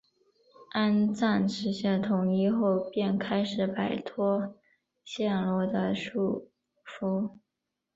安赞实现统一后便开始摆脱暹罗的束缚。